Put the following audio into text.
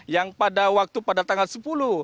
yang pada waktu pada tanggal sepuluh